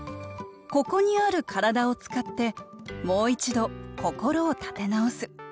ここにある体を使ってもう一度心を立て直す。